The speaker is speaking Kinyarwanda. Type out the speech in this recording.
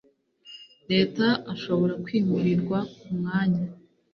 leta ashobora kwimurirwa ku mwanya